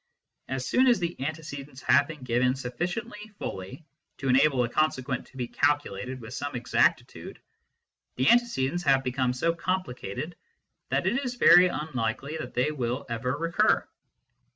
As soon as the antecedents have been given sufficiently fully to enable the consequent to be calcu lated with some exactitude, the antecedents have be come so complicated that it is very unlikely they will ever recur.